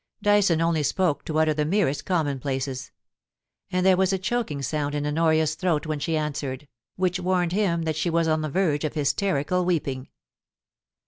Dyson only spoke to utter the merest commonplaces ; and there was a choking sound in Honoria's throat when she answered, which warned him that she was on the verge of hysterical weeping.